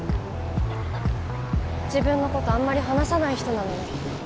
自分の事あんまり話さない人なのに。